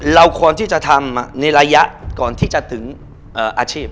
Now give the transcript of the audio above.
เราควรที่จะทำในระยะก่อนที่จะถึงอาชีพ